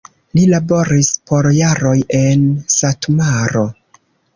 Li laboris por jaroj en Satmaro.